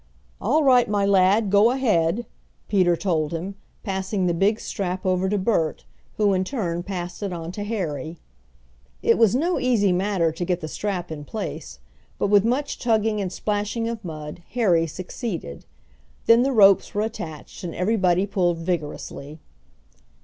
"All right, my lad, go ahead," Peter told him, passing the big strap over to Bert, who in turn passed it on to Harry. It was no easy matter to get the strap in place, but with much tugging and splashing of mud Harry succeeded. Then the ropes were attached and everybody pulled vigorously.